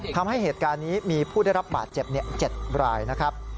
ทำให้เหตุการณ์นี้มีผู้ได้รับบาดเจ็บ๗รายนะครับ